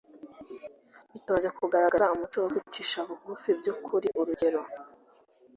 itoze kugaragaza umuco wo kwicisha bugufi by ukuri urugero